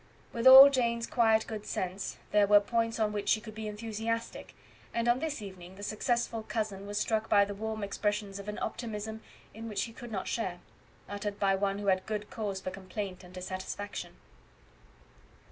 With all Jane's quiet good sense, there were points on which she could be enthusiastic, and on this evening the successful cousin was struck by the warm expressions of an optimism in which he could not share, uttered by one who had good cause for complaint and dissatisfaction.